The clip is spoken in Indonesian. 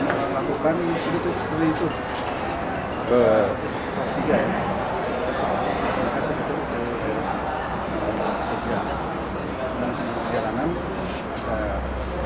terima kasih betul untuk kerja dan perjalanan ke kecelakaan itu